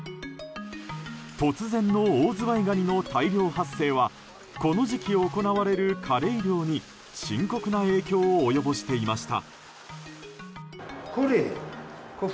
突然のオオズワイガニの大量発生はこの時期行われるカレイ漁に深刻な影響を及ぼしていました。